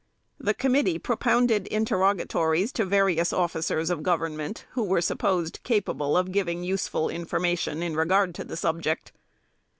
The committee propounded interrogatories to various officers of government, who were supposed capable of giving useful information in regard to the subject.